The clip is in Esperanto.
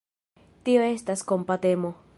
Tio estas kompatemo.